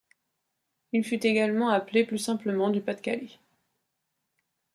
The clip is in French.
Il fut également appelé plus simplement du Pas-de-Calais.